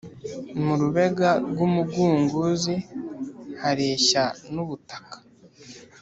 mu rubega rw'umugunguzi hareshya n'ubutaka.